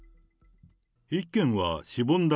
１件はしぼんだ